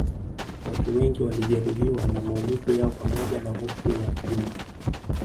Watu wengi walijeruhiwa na maumivu yao pamoja na hofu ya jumla